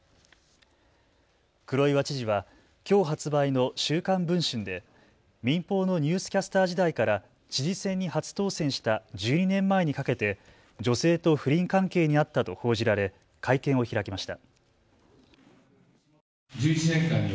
黒岩知事はきょう発売の週刊文春で民放のニュースキャスター時代から知事選に初当選した１２年前にかけて女性と不倫関係にあったと報じられ、会見を開きました。